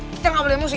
kita gak boleh emosi